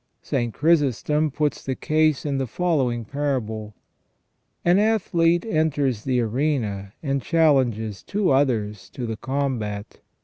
St. Chrysostom puts the case in the following parable :" An athlete enters the arena and chal lenges two others to the combat.